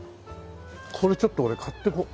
これちょっと俺買っていこう。